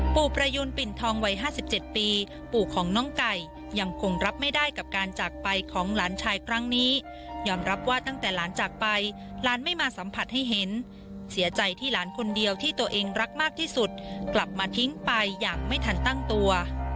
ประยูนปิ่นทองวัย๕๗ปีปู่ของน้องไก่ยังคงรับไม่ได้กับการจากไปของหลานชายครั้งนี้ยอมรับว่าตั้งแต่หลานจากไปหลานไม่มาสัมผัสให้เห็นเสียใจที่หลานคนเดียวที่ตัวเองรักมากที่สุดกลับมาทิ้งไปอย่างไม่ทันตั้งตัว